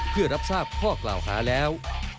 เพื่อรับทราบข้อกล่าวหาแล้ว